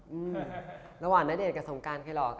อืมระหว่างณเดชน์กับสมการใครหล่อกันคะ